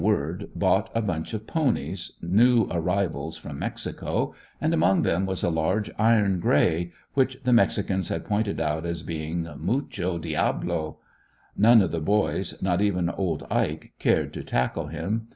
Word bought a bunch of ponies, new arrivals from Mexico, and among them was a large iron grey, which the mexicans had pointed out as being "Muncho Deablo." None of the boys, not even old Ike, cared to tackle him.